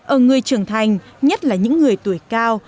ở người trưởng thành nhất là những người tuổi cao